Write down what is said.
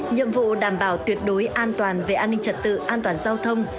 nhiệm vụ đảm bảo tuyệt đối an toàn về an ninh trật tự an toàn giao thông